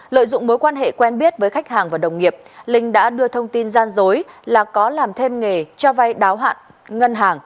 lợi dụng mối quan hệ quen biết với khách hàng và đồng nghiệp linh đã đưa thông tin gian dối là có làm thêm nghề cho vay đáo hạn ngân hàng